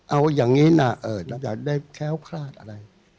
เอาอย่างนี้นะเราอยากได้แค้วคลาดอะไร